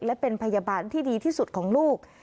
และเป็นพยาบาลที่ดีที่สุดของลูก